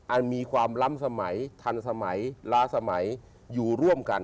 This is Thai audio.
อันมีความล้ำสมัยทันสมัยล้าสมัยอยู่ร่วมกัน